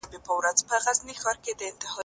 څخه جبري مهاجرت. ناصر خسرو قبادیاني – د